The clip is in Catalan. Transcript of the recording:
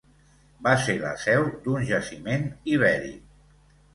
Va ser la seu d'un jaciment ibèric.